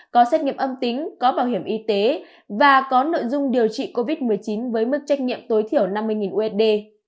có xét nghiệm âm tính có bảo hiểm y tế và có nội dung điều trị covid một mươi chín với mức trách nhiệm tối thiểu năm mươi usd